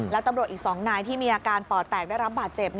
แล้วตำรวจอีก๒นายที่มีอาการปอดแตกได้รับบาดเจ็บ